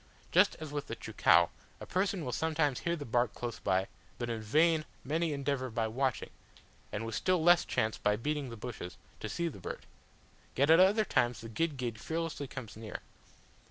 Just as with the cheucau, a person will sometimes hear the bark close by, but in vain many endeavour by watching, and with still less chance by beating the bushes, to see the bird; yet at other times the guid guid fearlessly comes near.